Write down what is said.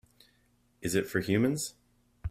Is it for humans?